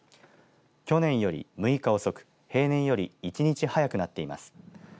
去年より６日遅く、平年より１日早くなっています。